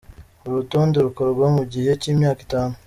Uru rutonde rukorwa mu gihe cy’imyaka itanu.